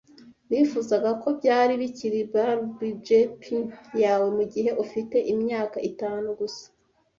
Nifuzaga ko byari bikiri Barbie Jeep yawe mugihe ufite imyaka itanu gusa.